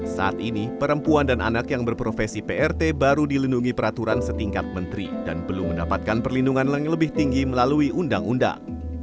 saat ini perempuan dan anak yang berprofesi prt baru dilindungi peraturan setingkat menteri dan belum mendapatkan perlindungan yang lebih tinggi melalui undang undang